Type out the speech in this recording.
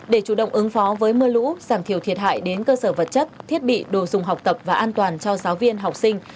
để chủ động ứng phó với mưa lũ giảm thiểu thiệt hại đến cơ sở vật chất thiết bị đồ dùng học tập và an toàn cho giáo viên học sinh